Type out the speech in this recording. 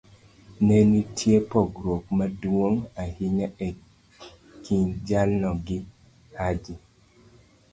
ne nitie pogruok maduong ' ahinya e kind jalno gi Haji.